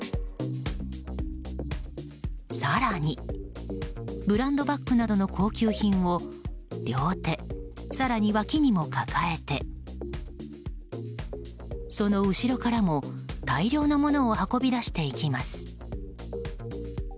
更にブランドバッグなどの高級品を両手、更にわきにも抱えてその後ろからも大量のものを運び出していきます。